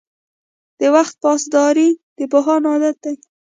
• د وخت پاسداري د پوهانو عادت دی.